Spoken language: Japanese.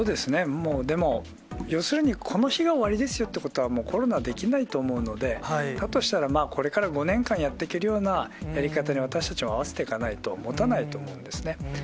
でも、要するにこの日が終わりですよということは、コロナはできないと思うので、だとしたら、これから５年間やっていけるようなやり方に私たちも合わせていかないと、もたないと思うんですね。